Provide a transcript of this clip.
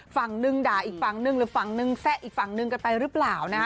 ฝั่งหนึ่งด่าอีกฝั่งนึงหรือฝั่งนึงแซะอีกฝั่งนึงกันไปหรือเปล่านะฮะ